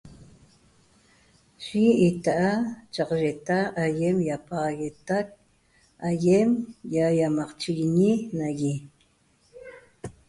Yi ýita'a chaqyita aýem ýapaxaxagueetac aýem ýaýamaqchiguiñi nagui